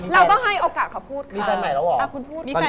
เราก็ให้โอกาสพูดค่ะ